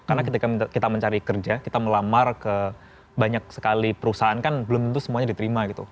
karena ketika kita mencari kerja kita melamar ke banyak sekali perusahaan kan belum tentu semuanya diterima gitu